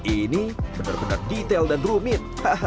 ini benar benar detail dan rumit